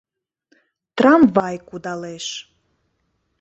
Трамвай кудалеш.